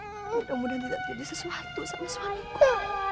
mudah mudahan tidak jadi sesuatu sama suamimu